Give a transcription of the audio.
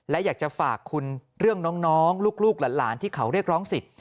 และอยากจะฝากคุณเรื่องน้องลูกหลานที่เขาเรียกร้องสิทธิ